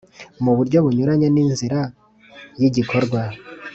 mu buryo bunyuranye n’inzira y’igikorwa